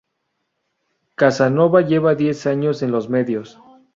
Casanova lleva diez años en los medios.